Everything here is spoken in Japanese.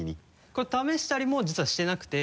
これ試したりも実はしてなくて。